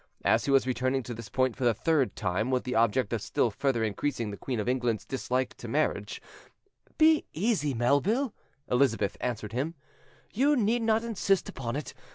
As he was returning to this point for the third time, with the object of still further increasing the queen of England's dislike to marriage— "Be easy, Melville," Elizabeth answered him; "you need not insist upon it.